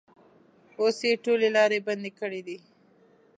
اوس یې ټولې لارې بندې کړې دي.